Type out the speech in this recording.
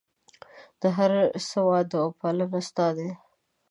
د هر څه وده او پالنه ستا ده.